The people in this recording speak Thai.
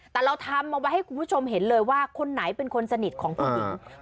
แต่เราทำเอาไว้ให้คุณผู้ชมเห็นเลยว่าคนไหนเป็นคนสนิทของผู้หญิง